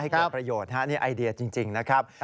แก้ประโยชน์นี่ไอเดียจริงนะครับ